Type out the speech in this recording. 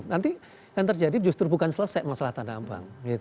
nanti yang terjadi justru bukan selesai masalah tanah abang